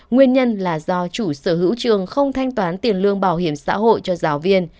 nguyên nhân là do chủ sở hữu trường không thanh toán tiền lương bảo hiểm xã hội cho giáo viên